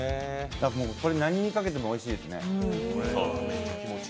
これ、何にかけてもおいしいですね。